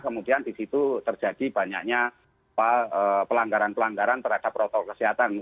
kemudian di situ terjadi banyaknya pelanggaran pelanggaran terhadap protokol kesehatan